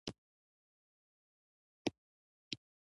ازادي راډیو د د انتخاباتو بهیر په اړه په ژوره توګه بحثونه کړي.